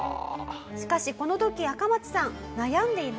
しかしこの時アカマツさん悩んでいました。